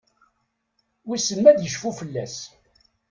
Wissen ma ad icfu fell-as?